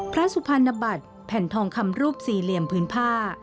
สุพรรณบัตรแผ่นทองคำรูปสี่เหลี่ยมพื้นผ้า